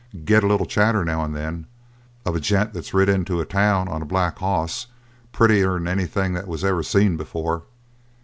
"Get a little chatter, now and then, of a gent that's rid into a town on a black hoss, prettier'n anything that was ever seen before.